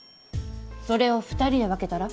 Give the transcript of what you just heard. それを２人で分けたら？